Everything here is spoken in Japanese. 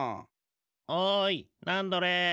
おいナンドレ！